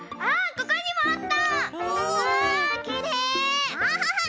ここにもあった！